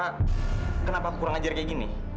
karena kenapa aku kurang ajar kayak gini